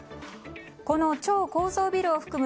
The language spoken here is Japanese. この超高層ビルを含む